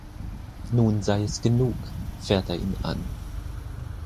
Nun sei es genug fährt er ihn an.